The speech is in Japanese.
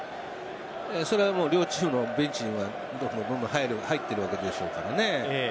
それは両チームのベンチにも入っているわけでしょうからね。